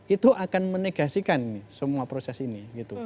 itu akan menegasikan semua proses ini